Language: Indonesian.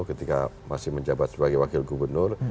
ketika masih menjabat sebagai wakil gubernur